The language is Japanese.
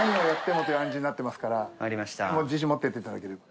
もう自信持ってやっていただければ。